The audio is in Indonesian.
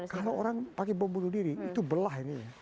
kalau orang pakai bom bunuh diri itu belah ini